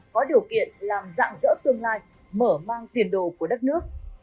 có điều kiện làm dạng dỡ tương lai mở mang tiền đồ của đất nước